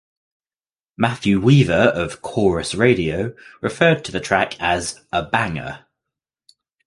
Matthew Weaver of "Corus Radio" referred to the track as "a banger".